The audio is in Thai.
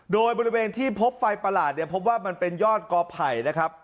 โดยบริเวณที่พบไฟประหลาดเนี่ยพบว่ามันเป็นยอดกอไผ่นะครับ